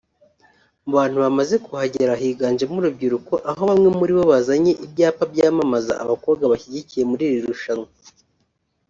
Mu bantu bamaze kuhagera higanjemo urubyiruko aho bamwe muri bo bazanye ibyapa byamamaza abakobwa bashyigikiye muri iri rushanwa